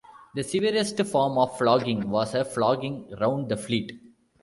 The severest form of flogging was a flogging round the fleet.